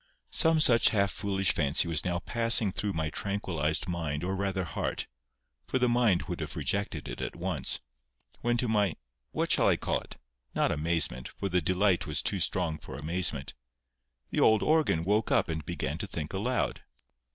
Some such half foolish fancy was now passing through my tranquillized mind or rather heart—for the mind would have rejected it at once—when to my—what shall I call it?—not amazement, for the delight was too strong for amazement—the old organ woke up and began to think aloud.